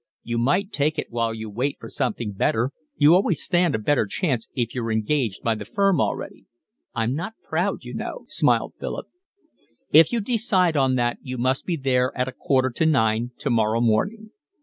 "You might take it while you wait for something better. You always stand a better chance if you're engaged by the firm already." "I'm not proud, you know," smiled Philip. "If you decide on that you must be there at a quarter to nine tomorrow morning."